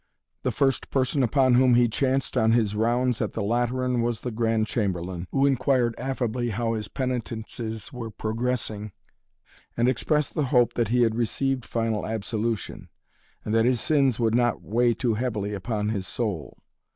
The first person upon whom he chanced on his rounds at the Lateran was the Grand Chamberlain, who inquired affably how his penitences were progressing and expressed the hope that he had received final absolution, and that his sins would not weigh too heavily upon his soul.